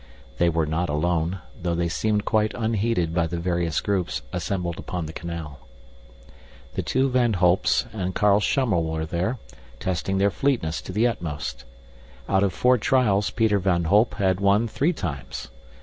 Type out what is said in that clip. They were not alone, though they seemed quite unheeded by the various groups assembled upon the canal. The two Van Holps and Carl Schummel were there, testing their fleetness to the utmost. Out of four trials Peter van Holp had won three times.